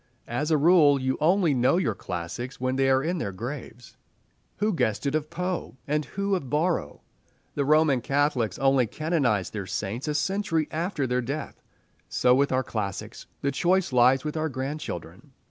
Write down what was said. As a rule, you only know your classics when they are in their graves. Who guessed it of Poe, and who of Borrow? The Roman Catholics only canonize their saints a century after their death. So with our classics. The choice lies with our grandchildren.